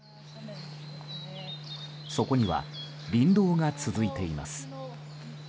そこには、林道が続いています。